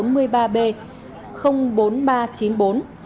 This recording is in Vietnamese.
vụ tai nạn khiến một người chết tại chỗ và